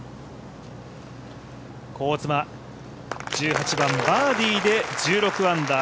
香妻、１８番バーディーで１６アンダー。